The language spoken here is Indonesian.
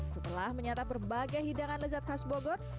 setelah menyatap berbagai hidangan lezat khas bogor